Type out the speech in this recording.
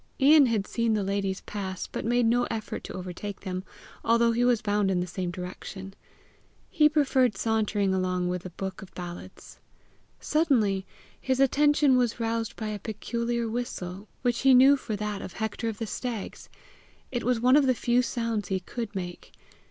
Ian had seen the ladies pass, but made no effort to overtake them, although he was bound in the same direction: he preferred sauntering along with a book of ballads. Suddenly his attention was roused by a peculiar whistle, which he knew for that of Hector of the Stags: it was one of the few sounds he could make.